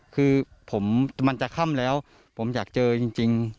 คือผมมันจะค่ำแล้วผมอยากเจอจริง